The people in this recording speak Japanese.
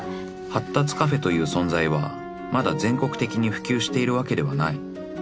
［発達カフェという存在はまだ全国的に普及しているわけではない］